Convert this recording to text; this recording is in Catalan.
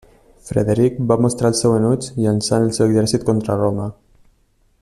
Frederic va mostrar el seu enuig llançant el seu exèrcit contra Roma.